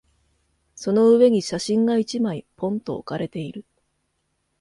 その上に写真が一枚、ぽんと置かれている。